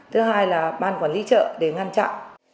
thứ hai là ban quản lý chợ để ngăn chặn